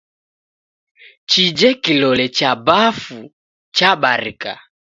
Chije kilole cha bafu chabarika